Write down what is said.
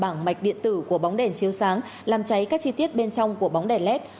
bảng mạch điện tử của bóng đèn chiếu sáng làm cháy các chi tiết bên trong của bóng đèn led